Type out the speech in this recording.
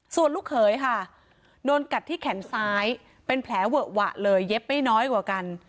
ส่วนลูกเขยค่ะโดนกัดที่แขนซ้ายเป็นแผลเวอะหวะเลยเย็บไม่น้อยกว่ากัน